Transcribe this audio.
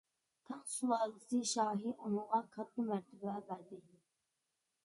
تاڭ سۇلالىسى شاھى ئۇنىڭغا كاتتا مەرتىۋە بەردى.